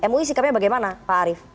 mui sikapnya bagaimana pak arief